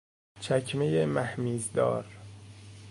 چکمهی مهمیزدار